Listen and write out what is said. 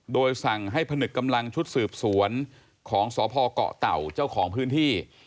โดยสั่งให้ผนึกกำลังชุดสืบสวนของสพเกาะเต่าเจ้าของพื้นที่